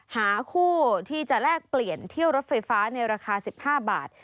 หาคู่ที่จะแลกเปลี่ยนเที่ยวรถไฟฟ้าในราคา๑๕บาท